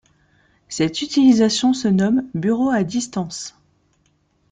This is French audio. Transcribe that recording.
Cette utilisation se nomme bureau à distance.